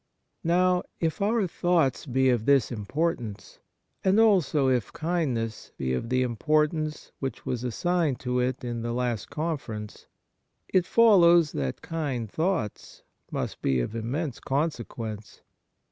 Now, if our thoughts be of this im portance, and also if kindness be of the importance which was assigned to it in 4 50 Kindness the last. Conference, it follows that kind thoughts must be of immense consequence.